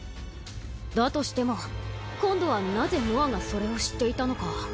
だとしても今度はなぜノアがそれを知っていたのか。